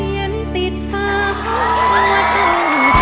ยันติดฝ่าหาวะอุ่นขัง